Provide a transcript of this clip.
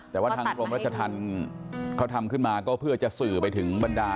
แต่ว่าทางกรมรัชธรรมเขาทำขึ้นมาก็เพื่อจะสื่อไปถึงบรรดา